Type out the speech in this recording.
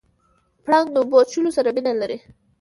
پړانګ د اوبو څښلو سره مینه لري.